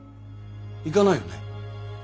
行かないよね？